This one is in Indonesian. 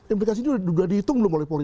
implikasi ini sudah dihitung belum oleh polri